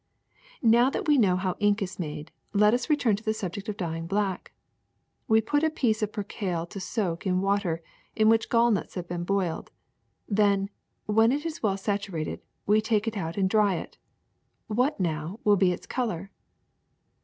^^Now that we know how ink is made, let us return to the subject of dyeing black. We put a piece of percale to soak in water in which gallnuts have been boiled ; then, when it is well saturated, we take it out and dry it. Y\liat, now, will be its color!''